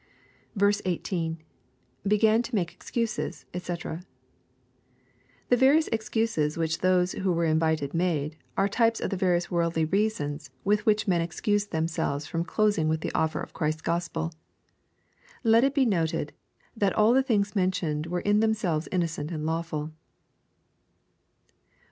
18. — [Began to make eaxuse, d)c!\ The various excuses which those who were invited made, are types of the various worldly reasons with which men excuse themselves from closing with the offer of Christ's Gospel. Let it be noted, that all the things mentioned were in themselves innocent and lawful.